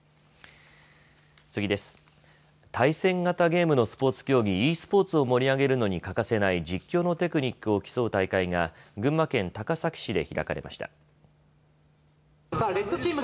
対戦型ゲームのスポーツ競技、ｅスポーツを盛り上げるのに欠かせない実況のテクニックを競う大会が群馬県高崎市で開かれました。